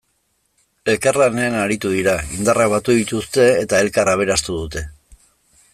Elkarlanean aritu dira, indarrak batu dituzte eta elkar aberastu dute.